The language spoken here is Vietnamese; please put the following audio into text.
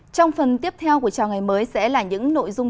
trong phần tiếp theo của chào ngày mới sẽ là những nội dung